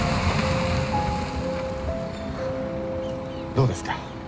どうですか？